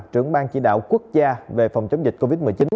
trưởng ban chỉ đạo quốc gia về phòng chống dịch covid một mươi chín